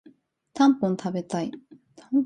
たんぽん食べたい